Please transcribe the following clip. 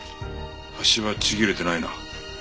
端はちぎれてないな。